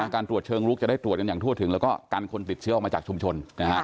การตรวจเชิงลุกจะได้ตรวจกันอย่างทั่วถึงแล้วก็กันคนติดเชื้อออกมาจากชุมชน